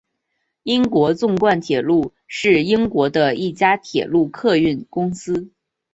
英国纵贯铁路是英国的一家铁路客运公司。